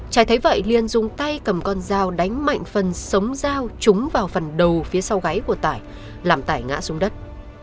trái thấy vậy liền dùng tay cầm con dao đánh mạnh phần sống dao trúng vào phần đầu phía sau gáy của tải làm tải ngã xuống đất